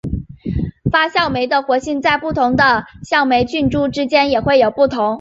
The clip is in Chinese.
发酵酶的活性在不同的酵母菌株之间也会有不同。